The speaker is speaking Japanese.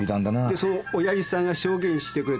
でそのおやじさんが証言してくれたんです。